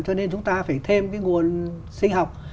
cho nên chúng ta phải thêm cái nguồn sinh học